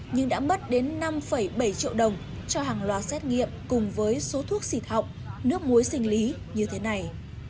nhưng đã mất đến năm bảy triệu đồng cho hàng loạt xét nghiệm cùng với số thuốc xịt hỏng nước muối sinh lý như thế này